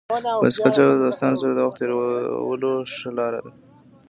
بایسکل چلول د دوستانو سره د وخت تېرولو ښه لار ده.